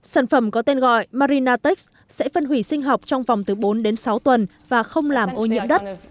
sản phẩm có tên gọi marinatex sẽ phân hủy sinh học trong vòng từ bốn đến sáu tuần và không làm ô nhiễm đất